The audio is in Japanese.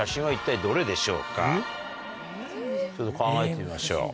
ちょっと考えてみましょう。